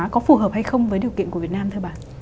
có phù hợp hay không với điều kiện của việt nam thưa bạn